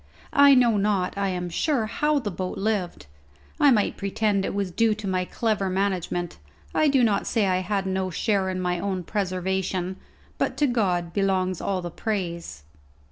I know not, I am sure, how the boat lived. I might pretend it was due to my clever management I do not say I had no share in my own preservation, but to God belongs all the praise.